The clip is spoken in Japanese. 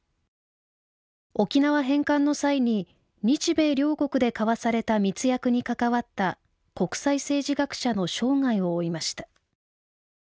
沖縄返還の際に日米両国で交わされた密約に関わった国際政治学者の生涯を追いました。